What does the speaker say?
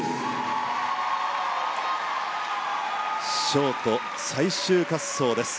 ショート最終滑走です。